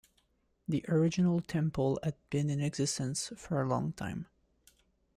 The original temple had been in existence for a long time.